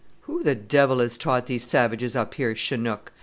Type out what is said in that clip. "Who the devil has taught these savages up here chinook!